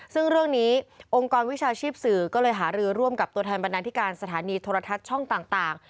ซึ่งเรื่องนี้องค์กรวิชาชีพสื่อก็เลยหารือร่วมกับตัวแทนบรรณาธิการสถานีโทรทัศน์ช่องต่าง